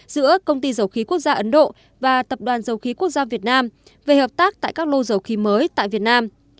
giữa công ty dầu khí quốc gia ấn độ và tập đoàn dầu khí quốc gia việt nam về hợp tác tại các lô dầu khí mới tại việt nam